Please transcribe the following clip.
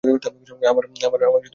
আমার মনে হয় না কিছু হবে।